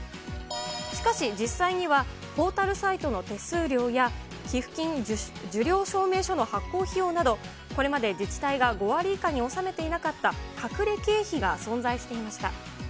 しかし、実際にはポータルサイトの手数料や、寄付金受領証明書の発行費用など、これまで自治体が５割以下に収めていなかった隠れ経費が存在していました。